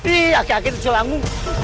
ih aki aki tuh celangu